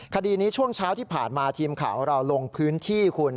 คดีนี้ช่วงเช้าที่ผ่านมาทีมข่าวของเราลงพื้นที่คุณ